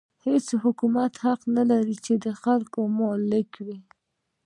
هېڅ حکومت حق نه لري چې د خلکو مالک وي.